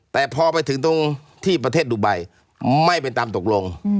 แต่พอไปถึงตรงที่ประเทศดูไบไม่เป็นตามตกลง